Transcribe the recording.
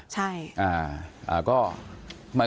ใช่